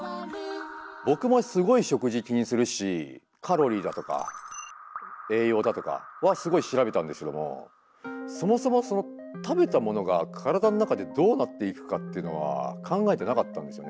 僕もすごい食事気にするしカロリーだとか栄養だとかはすごい調べたんですけどもそもそも食べたものが体の中でどうなっていくかっていうのは考えてなかったんですよね。